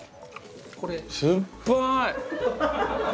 酸っぱい！